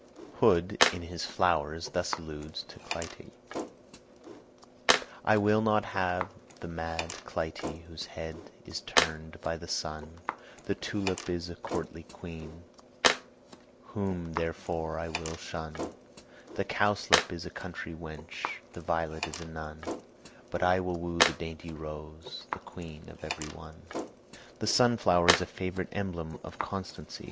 Hood, in his "Flowers," thus alludes to Clytie: "I will not have the mad Clytie, Whose head is turned by the sun; The tulip is a courtly quean, Whom therefore I will shun; The cowslip is a country wench, The violet is a nun; But I will woo the dainty rose, The queen of every one." The sunflower is a favorite emblem of constancy.